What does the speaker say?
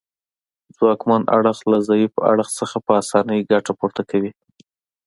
ځواکمن اړخ له ضعیف اړخ څخه په اسانۍ ګټه پورته کوي